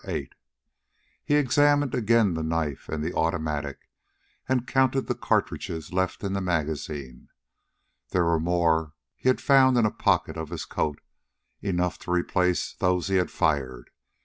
He examined again the knife and the automatic, and counted the cartridges left in the magazine. There were more he had found in a pocket of his coat, enough to replace those he had fired.